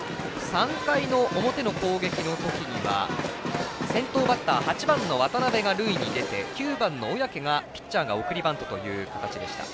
３回の表の攻撃の時には先頭バッターの渡邉が塁に出て９番の小宅、ピッチャーが送りバントという形でした。